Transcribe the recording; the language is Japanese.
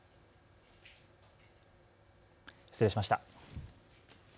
失礼しました。